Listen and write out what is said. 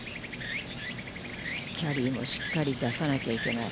キャリーもしっかり出さなきゃいけない。